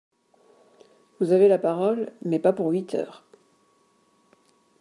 Vous avez la parole, mais pas pour huit heures